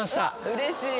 うれしい。